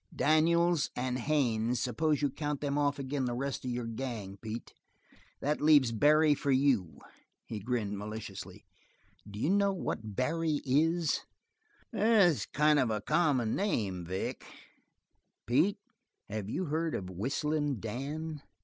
"Daniels and Haines, suppose you count them off agin' the rest of your gang, Pete. That leaves Barry for you." He grinned maliciously. "D'you know what Barry it is?" "It's a kind of common name, Vic." "Pete, have you heard of Whistlin' Dan?"